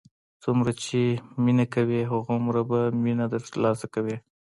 څومره چې مینه کوې، هماغومره به مینه تر لاسه کوې.